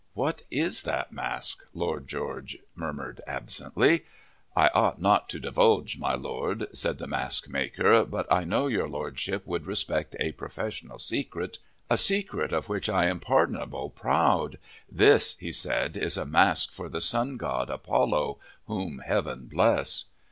"What is that mask?" Lord George murmured, absently. "I ought not to divulge, my Lord," said the mask maker. "But I know your Lordship would respect a professional secret, a secret of which I am pardonable proud. This," he said, "is a mask for the sun god, Apollo, whom heaven bless!"